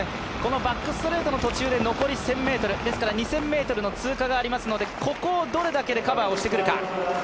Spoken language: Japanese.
バックストレートの途中で残り１５００ｍですから２０００ｍの通過がありますのでここでどれだけカバーをしてくるか。